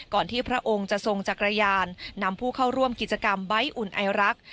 ที่พระองค์จะทรงจักรยานนำผู้เข้าร่วมกิจกรรมใบ้อุ่นไอรัก